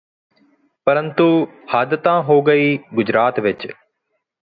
ਪਰੰਤੂ ਹੱਦ ਤਾਂ ਹੋ ਗਈ ਗੁਜਰਾਤ ਵਿੱਚ